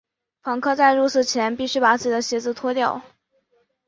访客在入寺前必须把自己的鞋子脱掉。